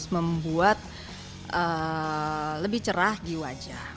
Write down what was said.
membuat lebih cerah di wajah